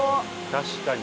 確かに。